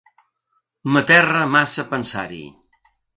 M'aterra massa pensar-hi.